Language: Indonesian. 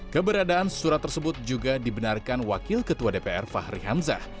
keberadaan surat tersebut juga dibenarkan wakil ketua dpr fahri hamzah